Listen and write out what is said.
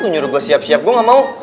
lu nyuruh gua siap siap gua gak mau